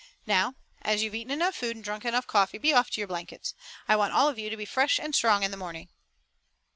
Now, as you've eaten enough food and drunk enough coffee, be off to your blankets. I want all of you to be fresh and strong in the morning."